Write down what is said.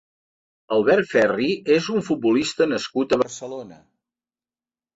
Albert Ferri és un futbolista nascut a Barcelona.